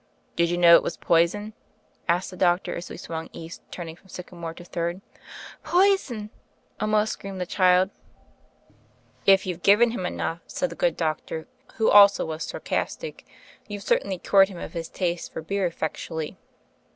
"Did you know it was poison?" asked the doctor, as we swung east, turning from Syca more to Third. "Poison 1 1 !" almost screamed the child. "If youVe given him enough," said the good doctor, who also was sarcastic, "you've certainly cured him of his taste for beer effectually."